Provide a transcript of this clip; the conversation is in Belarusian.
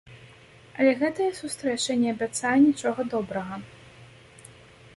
Але гэта сустрэча не абяцае нічога добрага.